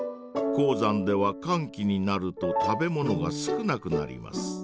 高山ではかん期になると食べ物が少なくなります。